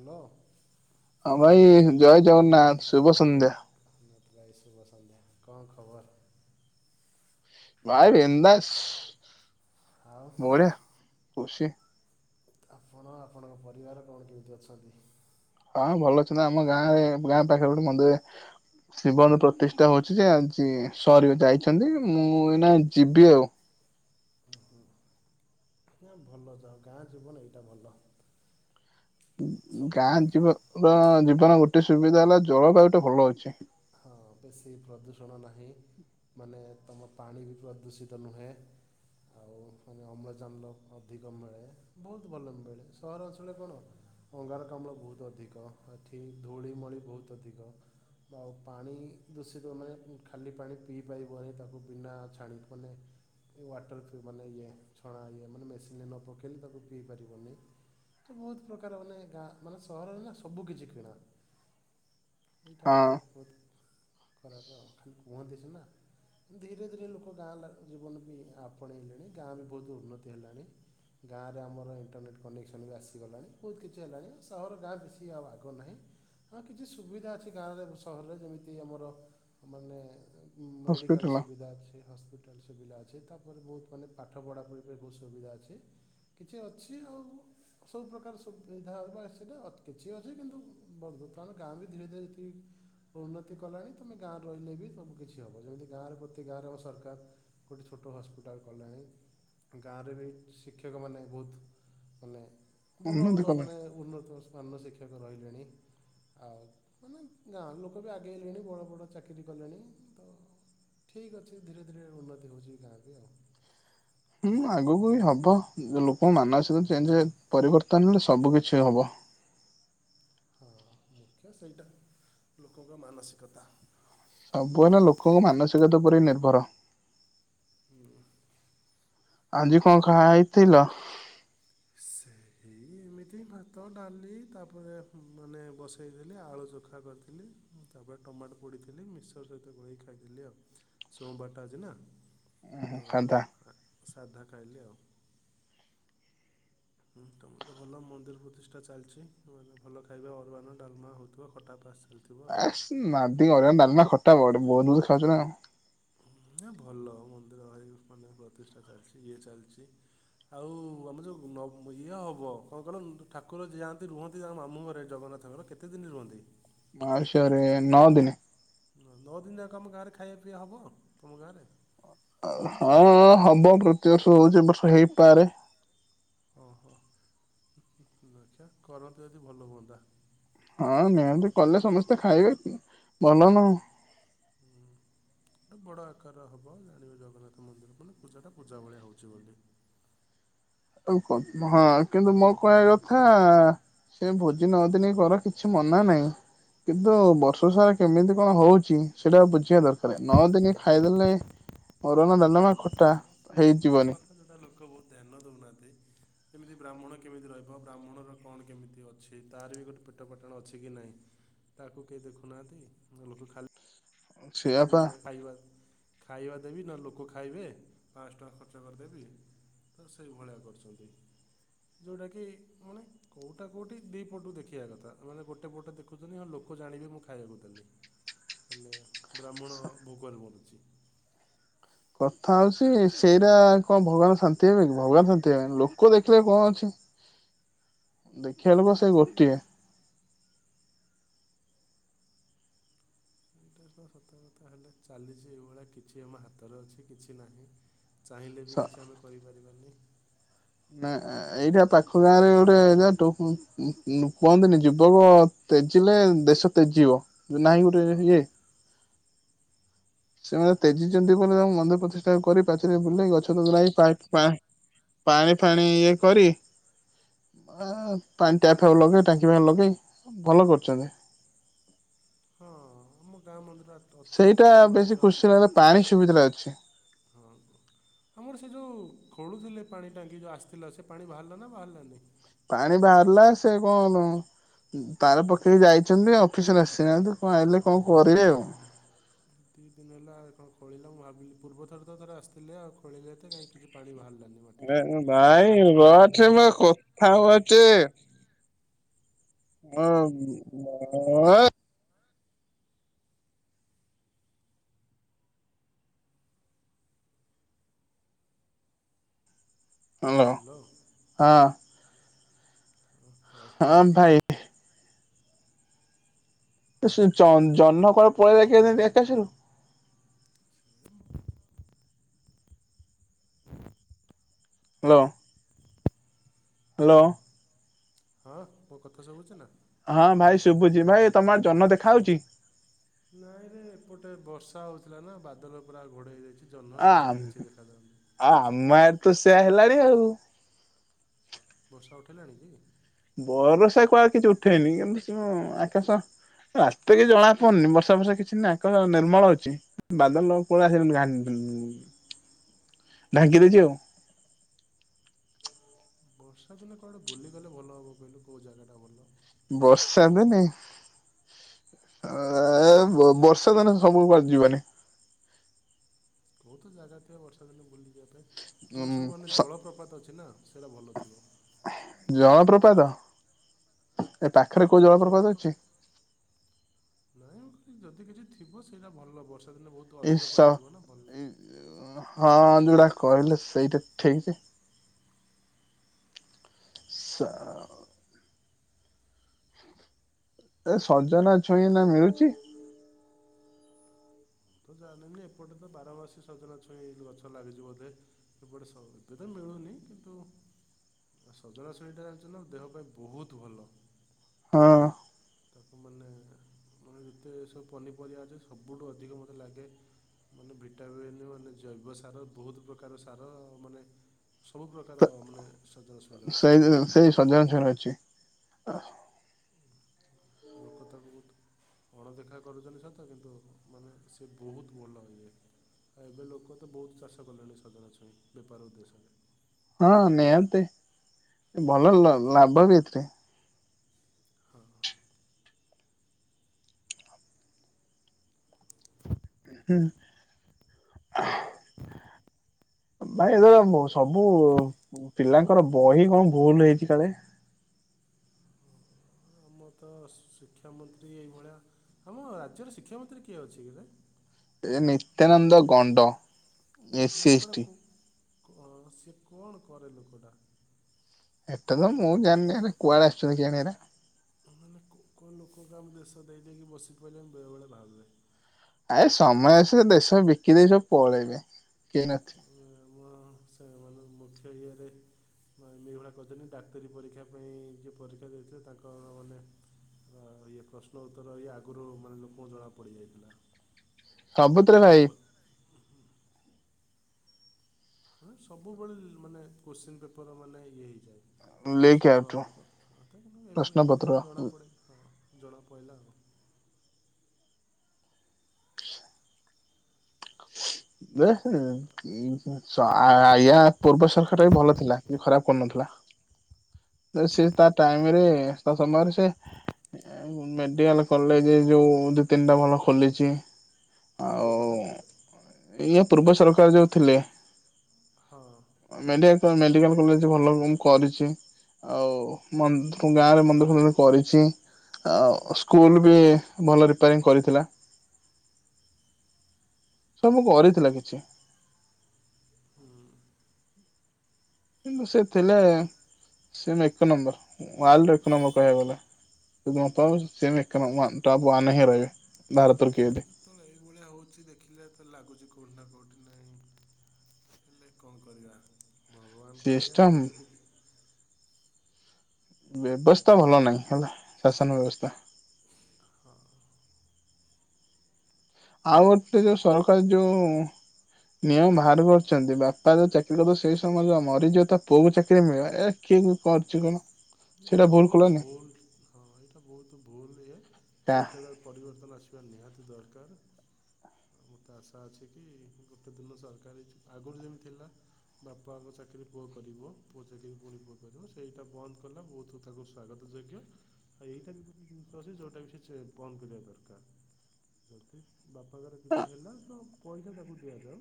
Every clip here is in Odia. ହାଲୋ। ୱାଇ ହେ ଜୟ ଜଗନ୍ନାଥ ଶୁଭ ସନ୍ଧ୍ୟା। ଜଗନ୍ନାଥ ଭାଇ ଶୁଭସନ୍ଧ୍ୟା କଣ ଖବର? ଭାଇ ବିନ୍ଦାସ। ଆଉ ବଢିଆ। ପୁସି ଆପଣ ଆପଣଙ୍କ ପରିବାର କଣ କେମିତି ଅଛନ୍ତି? ହଁ ଭଲ ଅଛନ୍ତି ନା ଆମ ଗାଁରେ ଗାଁ ପାଖରେ ଗୋଟେ ମନ୍ଦିର ଶିବଙ୍କର ପ୍ରତିଷ୍ଠା ହୋଉଛି ଯେ ଆଜି ସରିବ ଯାଇଛନ୍ତି ମୁଁ ଏଇନା ଯିବି ଆଉ। ଉହୁଁ ନା ଭଲ ଯ ଗାଁ ଜୀବନ ଏଇଟା ଭଲ। ସବୁ ଗାଁ ଯିବ ପା ଯି [unintelligible] ଗୋଟେ ସୁବିଧା ହେଲା ଜଳବାୟୁଟା ଭଲ ଅଛି। ହଁ ବେଶୀ ପ୍ରଦୂଷଣ ନାହିଁ ମାନେ ତମ ପାଣି ବି ପ୍ରଦୂଷିତ ନୁହେଁ ଆଉ ଫୁଣି ଅମ୍ଳଜାନର ଅଧିକ ମିଳେ ବୋହୁତ ଭଲ ମିଳେ ସାହର ଅଞ୍ଚଳରେ କଣ ଅଙ୍ଗାରକାମ୍ଳ ବୋହୁତ ଅଧିକ ଏଠି ଧୂଳି ମଳି ବୋହୁତ ଅଧିକ ଆଉ ପାଣି ଦୂଷିତ ମାନେ ଖାଲି ପାଣି ପିଇ ପାରିବନି ତାକୁ ବିନା ଛାଣିକି ମାନେ ୱାଟର ଫ୍ୟୁ ମାନେ ଇଏ ଛଣା ଇଏ ମାନେ ମେସିନରେ ନ ପକେଇଲେ ତାକୁ ପିଇପାରିବନି ତ ବୋହୁତ ପ୍ରକାର ମାନେ ଗାଁ ମାନେ ସହରରେ ନା ସବୁ କିିଛି କିଣା। ଏଇଟା ହଁ ଗୋଟେ ବୋହୁତ ଖରାପେ ଆଉ ଖାଲି କୁହନ୍ତି ସିନା ଧୀରେ ଧୀରେ ଲୋକ ଗାଁ ଜୀବନ ବି ଆପଣେଇଲେଣି ଗାଁ ବି ବୋହୁତୁ ଉନ୍ନତି ହେଲାଣି ଗାଁରେ ଆମର ଇଣ୍ଟରନେଟ୍ କନେକ୍ସନ୍ ବି ଆସିଗଲାଣି ବୋହୁତ କିଛି ହେଲାଣି ଆଉ ସହର ଗାଁ ବେଶୀ ଆଉ ଆଗ ନାହିଁ ହଁ କିଛି ସୁବିଧା ଅଛି ଗାଁରେ ସହରରେ ଯେମି ତି ଆମର ମାନେ ମେଡିକାଲ ହସ୍ପିଟାଲ ସୁବିଧା ଅଛ ହସ୍ପି ସୁବିଧା ଅଛି ତାପରେ ବୋହୁତ ମାନେ ପାଠ ପଢ଼ାପଢ଼ି ପାଇଁ ବୋହୁତ ସୁବିଧା ଅଛି କିଛି ଅଛି ଆଉ ସବୁ ପ୍ରକାର ସୁବିଧା ଉଡା ସେଡା ଅ କିଛି ଅଛି କିନ୍ତୁ ବନ୍ଧୁ ତ୍ରାଣ ଗାଁ ବି ଧୀରେ ଧୀରେ ଯେତିକି ଉନ୍ନ ତି କଲାଣି ତମେ ଗାଁରେ ରହିଲେ ବି ସବୁ କିଛି ହବ ଯେମିତି ଗାଁରେ ପ୍ରତି ଗାଁରେ ଆମ ସରକାର ଗୋଟେ ଛୋଟ ହସ୍ପିଟାଲ କଲାଣି ଗାଁରେ ବି ଶିକ୍ଷକମାନେ ବୋହୁତ ମାନେ ଭଲ ଉନ୍ନତି ଭଲ କଲାଣି। ମାନେ ଉନ୍ନତ ସ ଅନ୍ୟ ଶିକ୍ଷକ ରହିଲେଣି ଆଉ ମାନେ ଗାଁର ଲୋକ ବି ଆ ଆଗେଇଲେଣି ବଡ଼ ବଡ଼ ଚାକିରି କଲେଣି ତ ଠିକ୍ ଅଛି ଧୀରେ ଧୀରେ ଉନ୍ନତି ହେଉଚି ଗାଁରେ ବି ଆଉ। ହୁଁ ଆଗକୁ ବି ହବ ଲୋକଙ୍କ ମାନସିକ ଚେଞ୍ଚ ପରିବର୍ତ୍ତନରେ ସବୁକିଛି ହବ। ହଁ ମୁଖ୍ୟ ସେଇଟା ଲୋକଙ୍କ ମାନସିକତା। ସବୁ ହେଲା ଲୋକଙ୍କ ମାନସିକତା ଉପରେ ନିର୍ଭର। ହୁଁ। ଆଜି କଣ ଖାଇଥିଲ? ସେଇ ଏମିତି ଭାତ ଡାଲି ତାପରେ ମାନେ ବସେଇଦେଲି ଆଳୁ ଚୋଖା କରିଥିଲି ତାପରେ ଟମାଟୋ ପୋଡ଼ିଥିଲି ମିକ୍ସର ସହିତ ଗୋଳେଇକି ଖାଇଥିଲି ଆଉ ସୋମବାରଟା ଆଜି ନା। ତ ହନ୍ତା ସାଧା ଖାଇଲି ଆଉ। ହୁଁ ତମର ତ ଭଲ ମନ୍ଦିର ପ୍ରତିଷ୍ଟା ଚାଲଚି ନୂଆ ନୂଆ ଭଲ ଖାଇବା ଅରୁଆନ୍ନ ଡାଲମା ହୋଉଥୁବ ଖଟା ପାସ ଆ ସି ନାଦି ନାବିନା ଖ [unintelligible] ଖାଉଚି ନା ନା ଭଲ ମନ୍ଦିର ଭାଇ ମାନେ ପ୍ରତିଷ୍ଠା ଚାଲିଚି ଇଏ ଚାଲିଚି ଆଉ ଆମର ଯୋଉଁ ନ ଇଏ ହବ କଣ କହିଲ ଠାକୁର ଯାଆନ୍ତି ରୁହନ୍ତି ତାଙ୍କ ମାମୁଁ ଘରେ ଜଗନ୍ନାଥଙ୍କର କେତେ ଦିନି ରୁହନ୍ତି? ମାଉସୀ ଘରେ ନଅ ଦିନି। ନଅ ଦିନି ଯାକ ଆମ ଗାଁରେ ଖାଇବା ପିଇବା ହବ ତମ ଗାଁରେ? ହଁ ହବ ପ୍ରତିବର୍ଷ ହୋଉଚି ଏ ବର୍ଷ ହେଇପାରେ। ଓହୋ ଆଚ୍ଛା କରନ୍ତୁ ଯଦି ଭଲ ହୁଅନ୍ତା। ହଁ ହଉ ନିହାତି କଲେ ସମସ୍ତେ ଖାଇବେ କି ଭଲ ନା ଆଉ। ଗଟେ ବଡ଼ ଆକାର ହବ ଜାଣିବେ ଜଗନ୍ନାଥ ମନ୍ଦିର ପୁ ପୂଜାଟା ପୂଜା ଭଳିଆ ହଉଛି ବୋଲି। ଆଉ ହଁ କିନ୍ତୁ ମୋ କହିବା କଥା ସେ ଭୋଜି ନଅ ଦିନି କର କିଛି ମନା ନାହିଁ କିନ୍ତୁ ବର୍ଷ ସାରା କେମିତି କଣ ହଉଛି ସେଇଟା ଆ ବୁଝିବା ଦରକାର ନଅ ଦିନି ଖାଇଦେଲେ ଅରୁଆ ନା, ଡାଲମା, ଖ ସେଇ କଥା ଯୋଉଟା ଲୋକ ବହୁତ ଧ୍ୟାନ ଦଉନାହାନ୍ତି। ଏମତି ବ୍ରାହ୍ମଣ କେମିତି ରହିବ ବ୍ରାହ୍ମଣର କଣ କେମିତି ଅଛି ତାର ବି ଗୋଟେ ପେଟ ପଟଣ ଅଛି କି ନାହିଁ ତାକୁ କେହି ଦେଖୁନାହାନ୍ତି ଲୋକ ଖାଲି ସେଇଆପା ମାନେ ଖାଇବା ଖାଇବା। ଦେବି ନ ଲୋକ ଖାଇବେ ପାଞ୍ଚଶହ ଟଙ୍କା ଖର୍ଚ୍ଚ କରିଦେବି ତ ସେଇଭଳିଆ କରିୁଛନ୍ତି ଯେଉଁଟାକି ମାନେ କେଉଁଟା କେଉଁଠି ଦି ପଟୁ ଦେଖିବା କଥା ମାନେ ଗୋଟେ ପଟ ଦେଖୁଛନ୍ତି ଆଉ ଲୋକ ଜାଣିବେ ମୁଁ ଖାଇବାକୁ ଦେଲି ହେଲେ ବ୍ରାହ୍ମଣ ଭୋଗରେ ମରୁଛି। କଥା ହଉଛି ସେଇଟା କଣ ଭଗବାନ ଶାନ୍ତି ହେବେ କି ଭଗବାନ ଶାନ୍ତି ହେବେନି ଲୋକ ଦେଖିଲେ କଣ ଅଛି। ଖେଳ ବସ୍ ଏଇ ସେ ଗୋଟିଏ। ସେଇଟା ସତର୍କତା ହେଲେ ଚାଲିଛି ଏଇଭଳିଆ କିଛି ଆମ ହାତରେ ଅଛି କିଛି ନାହିଁ। ଚାହିଁଲେ ସ ବି କିଛି ଆମେ କରିପାରିବୁନି। ନା ଏଇଟା ପାଖ ଗାଁ ରେ ଗୋଟେ ଯାଠୁ ଉଁ ଉଁ କୁହନ୍ତିନି ଯୁବକ ତେଜିଲେ ଦେଶ ତେଜିବ। ନାହିଁ ଗୋଟେ ହଁ ଇଏ। ସେମାନେ ତେଜିଛନ୍ତି ବୋଲି ତାଙ୍କୁ ମନ୍ଦିର ପ୍ରତିଷ୍ଠା କରି ପାଚିରେ ବୁଲେଇ ଗଛ ତଗାଇପ ପାଣି ଫାଣି ଇଏ କରି ପାଣି ଟ୍ୟାପ ଲଗେଇ ଟାଙ୍କି ଫ ଲଗେଇ ଭଲ କରୁଛନ୍ତି। ହଁ ଆମ ଗାଁ ମନ୍ଦିର ଅତି- ଅତି ଅତି ସେଇଟା କମ୍ରେ ବେଶୀ ତ ଖୁସି ଲାଗେ ପାଣି ସୁବିଧା ଟା ଅଛି। ଛି। ହଁ ଆମର ସେ ଯୋଉ ଖୋଳୁଥିଲେ ପାଣି ଟାଙ୍କି ଯୋଉ ଆସିଥିଲା ସେ ପାଣି ବାହାରିଲା ନା ବାହାରିଲାନି? ପାଣି ବାହାରିଲା ସେ କଣ ତାର ପକେଇକି ଯାଇଛନ୍ତି ଅଫିସରେ ଆସିନାହାନ୍ତି କଣ ଆଇଲେ କଣ କରିବେ ଆଉ। ଦି ଦିନ ହେଲା ଏ କଣ ଖୋଳିଲା ମୁଁ ଭାବିଲି ପୂର୍ବ ଥରେ ତ ଥରେ ଆସିଥିଲେ ଆଉ ଖୋଜିଲେ ଏତେ କାଇଁ କିଛି ପାଣି ବାହାରିଲା। [unintelligible] ଏଠ ମ କଥା ହଉଚେ। [unintelligible] ହ୍ୟାଲୋ ହଁ। ହଁ କହ ହଁ ଭାଇ ସେ ଜ ଜନ୍ନ କର ପରେଖି ଦେଖାସୁ। [unintelligible] Hello hello. ହଁ ମୋ କଥା ସୁବୁଛି ନା? ହଁ ଭାଇ ଶୁଭୁଛି ଭାଇ ତମ ଆଡେ ଜନ୍ନ ଦେଖାଯାଉଛି? ନାଇଁରେ ଏପଟେ ବର୍ଷା ହଉଥିଲା ନା ବାଦଲ ପୁରା ଘୋଡ ହେଇଯାଇଛି। ଆ ଆମ ଆ ଆମେ ତୁ ସେଆ ହେଲାଣି ଆଉ। ବର୍ଷା ଉଠଲାଣି କି? ବର୍ଷା କୁଆଳ କିଛି ଉଠେଇନି କିନ୍ତୁ ସ ଆକାଶ ରାସ୍ତେ କିଛି ଜଣା ପଡ଼ୁନି ବର୍ଷା ବର୍ଷା କିଛି ନାହି ଆକାଶ ନିର୍ମଳ ହଉଛି ବାଦ କୁଆ ଆ ଢାଙ୍ଗି ଦେଇଛି ଆଉ। ବର୍ଷା ଦିନ କୁଆଡେ ବୁଲିଗଲେ ଭଲ ହବ କହିଲୁ କୋଉ ଜାଗା ଟା ଭଲ। ବର୍ଷା ଦନି ବର୍ଷା ଦିନେ ସବୁ ବା ଯିବନି। କୋଉ ତ ଜାଗା ଥିବ ବର୍ଷା ଦିନ ବୁ ଉଁ ଯଉ ସବୁ ମାନେ ସ ଜଳପ୍ରପାତ ଅଛି ନା ସେଇଟା ଭଲ ଥିବ। ପଦ ଏ ପାଖରେ କୋଉ ଯୋଉ ଜଳ ଜଳପ୍ରପାତ ଅଛି? ନାଇଁ ଯଦି କିଛି ଥିବ ସେଇଟା ଭଲ ବର୍ଷ ସେଦିନେ ବହୁତ ଏଇ ଅଧିକ ସ ପାଣି ଥିବ ନା ଭଲ ହଁ ଯେଉଗଡ଼ା କହିଲେ ସେଇଟା ଠିକ ଅଛି। ଏ ସଜନା ଛୁଇଁ ନା ମିଳୁଚ। ତ ଜାଣେିନି ଏପଟେ ତ ବାରମାସୀ ସଜନା ଛୁଇଁ ଗଛ ଲାଗିଛି ବୋଧେ ଏପଟେ ଏବେ ତ ମିଳୁନି କିନ୍ତୁ ସଜନା ଛୁଇଁଟା ଜାଣିଛ ନା ଦେହ ପାଇଁ ବହୁତ ଭଲ। ହଁ। ତାକୁ ମାନେ ମେ ଯେତେ ସବୁ ପନିପରିବା ଅଛି ସବୁଠୁ ଅଧିକ ମତେ ଲାଗେ ମାନେ ଭିଟାମନ୍ ମାନେ ଜୈବ ସାର ବହୁତ ପ୍ରକାର ସାର ମାନେ ସବୁ ପ୍ରକାର ମାନେ ସଜନା ଛୁଇଁରେ ଅଛି ସେଇ ସେଇ ସଜଂଶରେ ଅଛି। ଅ ଲୋକ ତାକୁ ବହୁତ ଅଣଦେଖା କରୁଛନ୍ତି ସତ କିନ୍ତୁ ମାନେ ସେ ବହୁତ ଭଲ ହେଇଯଏ ଆଉ ଏବେ ଲୋକ ତ ବହୁତ ଚାଷ କଲେଣି ସଜନଛୁଇଁ ବେପାର ଉଦ୍ଦେଶ୍ୟରେ ହଁ ନିହାନ୍ତେ ଭଲ ଲାଭ ବି ଏଥିରେ ହଁ। ହ। ହୁଁ। ଭାଇ ଏ ସବୁ ପିଲାଙ୍କର ବହି କଣ ଭୁଲ ହେଇଛି କାଳେ ଆମ ତ ଶିକ୍ଷାମନ୍ତ୍ରୀ ଏଇଭଳିଆ ଆମ ରାଜ୍ୟର ଶିକ୍ଷାମନ୍ତ୍ରୀ କିଏ ଅଛି କଲେ। ଏ ନିତ୍ୟାନନ୍ଦ ଗଣ୍ଡ ଏ ଫି ଏସ୍ଟି ସେ କଣ କରେ ଲୋକଟା ଏତେ ଦ ମୁଁ ଜାଣରେ କୁଆଡ଼େ ଆସିୁଣରେ ହଁ ମାନେ କଣ ଲୋକ କ ଆମକୁ ଦେଶ ଦେଇ ଦେଇେଇକି ବସି ପାରିଲେ ବେଳେବେଳେ ଭାବିବେ ଆ ସମୟ ଆସ ଦେଶ ବିକି ଦେଇ ସବୁ ପଳେଇବେ କି ନଛି ସେ ମାନେ ମୁଖ୍ୟ ଇଏରେ ଏ ଭଳିଆ କହିଛନ୍ତି ଡାକ୍ତରୀ ପରୀକ୍ଷା ପାଇଁ ଯିଏ ପରୀକ୍ଷା ଦେଇଥିଲେ ତାଙ୍କର ମାନେ ଇଏ ପ୍ରଶ୍ନ ଉତ୍ତର ଇଏ ଆଗରୁ ମାନେ ଲୋକଙ୍କୁ ଜଣାପଡ଼ିଯାଇଥିଲା। ସବୁଥିରେ ଭାଇ ତାପ ସବୁବେଳେ ମାନେ କୋଶ୍ଚିନ ପେପର ମାନେ ଇଏ ହେଇଯାଏ। ଲିକ୍ ପ୍ରଶ୍ନ ଆଉଟ୍ ପ୍ରଶ୍ନ ମ ପତ୍ର ଏଇଥର ଜଣାପଡ଼େ ହଁ ଜଣାପଡ଼ିଲା ଆଉ ଆଜା ପୂର୍ବ ସରକାର ଭଲ ଥିଲା କି ଖରାପ କରୁନଥିଲା ତା ଟାଇ ତା ସମୟରେ ସେ ମା କଲେ ଯୋଉ ଦି ତିନିଟା ଭଲ ଖୋଲିଛି। କେଉଁ ଗୋଟେ ଇା ପୂର୍ବ ସରକାର ଯୋଉ ଥିଲେ। ହଁ ମେଣ୍ଟ କ ମେଣ୍ [unintelligible] ଭଲ ରୁମ୍ କରିଚି ଆଉ ମନ୍ଦ୍ ଗାଁ ରେ ମନ୍ଦିର ଫନ୍ଦିର କରିଚି ଆଉ ସ୍କୁଲ୍ ବି ଭଲ ରେପ୍ୟାରିଙ୍ଗ୍ କରିଥିଲା। ସବୁ କରିଥିଲା କିଛି। ହୁଁ। କିନ୍ତୁ ସେ ଥିଲେ ସେ ହେନେ ଏକ ନମ୍ବର ୱାଲ୍ଡ ରେ ଏକ ନମ୍ବର କହିବାକୁ ଗଲେ। [unintelligible] ସେ ହେବେ ଏକ ନମ୍ ୱାନ୍ ଟପ୍ ହିଁ ରହିବେ ଭାରତରେ କିଏଦେ। ଯେତେବେଳେ ଏଇଭଳିଆ ହୋଉଚି ଦେଖିଲେ ତ ଲାଗୁଚି କୋଉଠି ନା କୋଉଠି ନାଇଁ ହେଲେ କଣ କରିବା? ଭଗବାନଙ୍କ ଇଏ ଆମେ ଯଦି ବେବସ୍ଥା ଭଲ ନାହିଁ ହେଲା ଶାସନ ବେବସ୍ଥା। ହଁ ଆଉ ଗୋଟେ ଯୋଉ ସରକାର ଯୋଉ ନିୟମ ବାହାର କରିଛନ୍ତି ବାପା ଯୋଉ ଚାକିରି କରିବ ସେଇ ସମୟରେ ଯୋ ମରିଯିବ ତା ପୁଅ କୁ ଚାକିରି ମିଳେ ଏ କିଏ ବି କରିଛି କହନା? ଏଇଟା ବହୁତ ବୋଲ ଦି ହଁ ଏଇଟା ବହୁତ ଭୁଲ ଇଏ କା ଏଇଟା ତା ପରିବର୍ତ୍ତନ ଆସିବା ନିହାତି ଦର ତାହାଲେ ମୋତେ ଆଶା ଅଛି କି ଗୋଟେ ଦିନ ସରକାର ଆଗରୁ ଯେମିତି ଥିଲା ବାପାଙ୍କ ଚାକିରି ପୁଅ କରିବ ପୁଅ ଚାକିରି ପୁଣି ପୁଅ କରିବ ସେଇଟା ବନ୍ଦ କଲା ବହୁତ ତାକୁ ସ୍ଵାଗତ ଯୋଗ୍ୟ। ଆଉ ଏଇଟା ବି ଗୋଟେ ଜିନିଷ ଅଛି ଯୋଉଟା ବି ସେ ଛେ-ବନ୍ଦ କରିବା ଦରକାର। [unintelligible] ବାପାଙ୍କର କିଛି ହେଲା ତ ପଇସା ତାକୁ ଦିଆଯାଉ।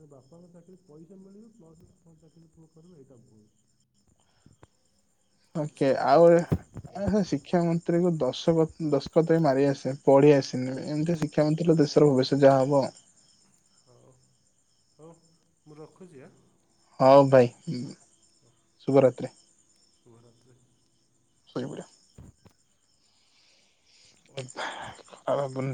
ଏ ବାପାଙ୍କ ଚାକିରି ପଇସା ମିଳିବ ପ୍ଲସ୍ ବାପାଙ୍କ ଚାକିରି ପୁଅ କରିବ ଏଇଟା ଭୁଲ୍। ଓକେ, ଆଉ ଏ ଅହୋ ଶିକ୍ଷା ମନ୍ତ୍ରୀ କୁ ଦଶ ପ ଦଶ ସୋ ତେବେ ମାରି ଆସେ। ପଢି ଆସେନି ଏମିତି ଶିକ୍ଷା ମନ୍ତ୍ରୀ [unintelligible] ଦେଶର ଭବିଷ୍ୟତ ଯାହା ହବ। ହଉ ହଉ ମୁଁ ରଖୁଚି ଆଁ? ହଁ ଭାଈ ଉଁ, ଶୁଭରାତ୍ରି। ଶୁଭ ରାତ୍ରି। ଶୋଇପଡ଼ିବ? [unintelligible] ପୁ